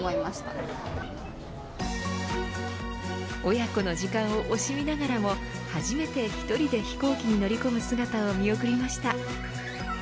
親子の時間を惜しみながらも初めて１人で飛行機に乗り込む姿を見送りました。